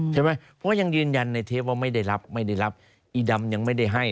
ใช่ไหมเพราะยังยืนยันในเทปว่าไม่ได้รับไม่ได้รับอีดำยังไม่ได้ให้